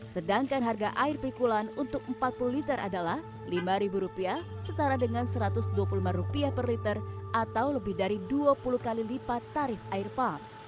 sedangkan harga air pikulan untuk empat puluh liter adalah rp lima setara dengan rp satu ratus dua puluh lima per liter atau lebih dari dua puluh kali lipat tarif air pump